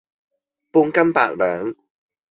半斤八兩